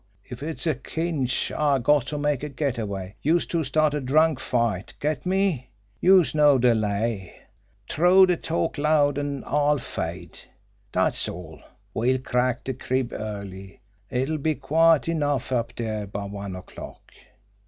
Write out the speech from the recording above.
If it's a cinch I got to make a get away, youse two start a drunk fight. Get me? Youse know de lay. T'row de talk loud an' I'll fade. Dat's all! We'll crack de crib early it'll be quiet enough up dere by one o'clock."